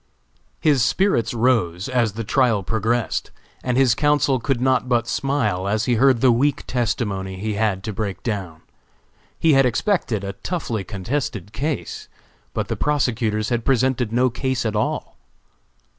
His spirits rose as the trial progressed, and his counsel could not but smile as he heard the weak testimony he had to break down. He had expected a toughly contested case, but the prosecutors had presented no case at all.